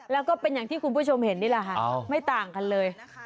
แล้วก็เป็นอย่างที่คุณผู้ชมเห็นนี่แหละค่ะไม่ต่างกันเลย